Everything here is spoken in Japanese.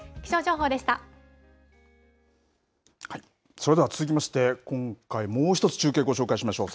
それでは続きまして、今回、もう１つ中継ご紹介しましょう。